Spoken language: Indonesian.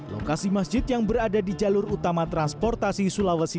lokasi masjid yang berada di jalur utama transportasi sulawesi